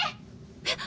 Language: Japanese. えっ！